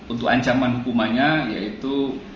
untuk ancaman hukumannya yaitu